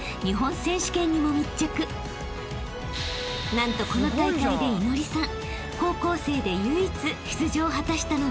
［何とこの大会で祈愛さん］